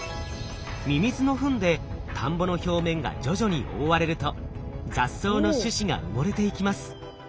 ミミズのフンで田んぼの表面が徐々に覆われると雑草の種子が埋もれていきます。